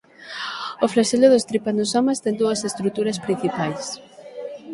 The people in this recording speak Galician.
O flaxelo dos tripanosomas ten dúas estruturas principais.